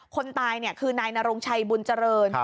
คนตายคือนายนรงชัยบุญเจริญ